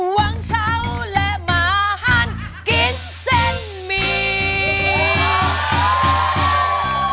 วังเช้าและหมาหันกินเส้นหมี่